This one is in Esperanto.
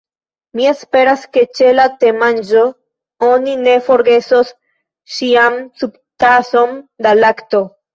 "Mi esperas ke ĉe la temanĝo oni ne forgesos ŝian subtason da lakto.